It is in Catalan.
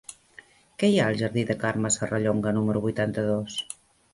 Què hi ha al jardí de Carme Serrallonga número vuitanta-dos?